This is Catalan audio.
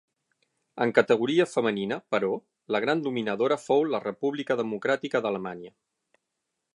En categoria femenina, però, la gran dominadora fou la República Democràtica d'Alemanya.